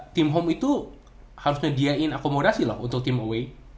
tim home itu harusnya di diain akomodasi loh untuk tim away